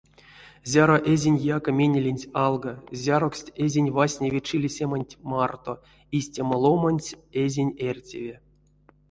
Зяро эзинь яка менеленть алга, зяроксть эзинь вастневе чилисеманть марто, истямо ломаньс эзинь эртеве.